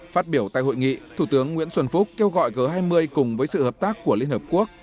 phát biểu tại hội nghị thủ tướng nguyễn xuân phúc kêu gọi g hai mươi cùng với sự hợp tác của liên hợp quốc